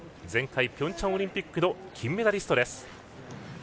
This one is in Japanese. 前回ピョンチャンオリンピックの金メダリスト。